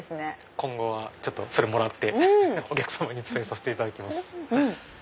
今後はそれもらってお客様に伝えさせていただきます。